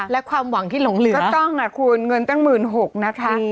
และความหวังที่หลงเหลือก็ต้องคุณเงินตั้ง๑๖๐๐นะคะ